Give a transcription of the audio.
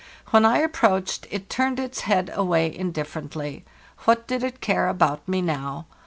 When I approached, it turned its head away indifferently; what did it care about me now?